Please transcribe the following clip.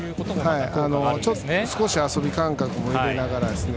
少し、遊び感覚も入れながら。